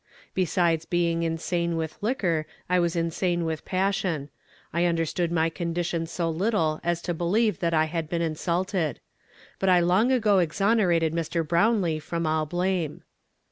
Besides being insane with li(iuor, I was insane with passion. I uiulerstood my condition so little as to believe that I liad been hisulted. lUit I long ago exonerated Mr. Brownlee from all blame."